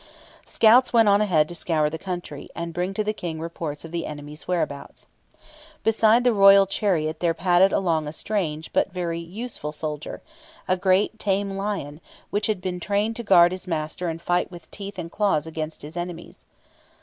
Scouts went on ahead to scour the country, and bring to the King reports of the enemy's whereabouts. Beside the royal chariot there padded along a strange, but very useful soldier a great tame lion, which had been trained to guard his master and fight with teeth and claws against his enemies.